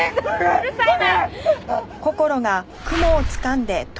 うるさいな！